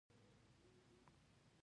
داستان کلاسیک اصول تعقیبوي.